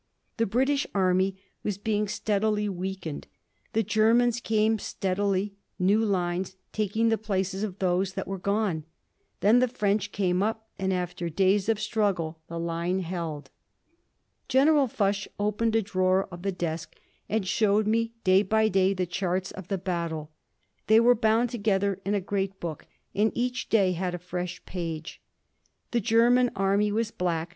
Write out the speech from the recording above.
The British Army was being steadily weakened. The Germans came steadily, new lines taking the place of those that were gone. Then the French came up, and, after days of struggle, the line held. General Foch opened a drawer of the desk and showed me, day by day, the charts of the battle. They were bound together in a great book, and each day had a fresh page. The German Army was black.